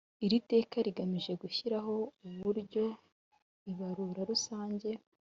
Iri teka rigamije gushyiraho uburyo Ibarura Rusange